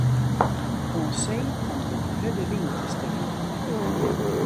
Oan see komt in hurde wyn te stean.